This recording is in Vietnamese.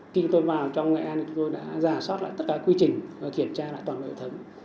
khi tôi vào trong nghệ an thì tôi đã giả soát lại tất cả quy trình và kiểm tra lại toàn loại thấm